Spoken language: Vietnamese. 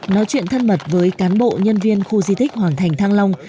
nói chuyện thân mật với cán bộ nhân viên khu di tích hoàng thành thăng long